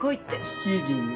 「７時」に？